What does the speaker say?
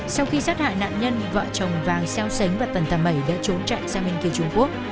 sau khi giết hại nạn nhân vợ chồng vàng xeo sánh và tần tàm mẩy đã trốn chạy sang bên kia trung quốc